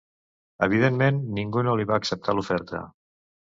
Evidentment, ningú no li va acceptar l'oferta.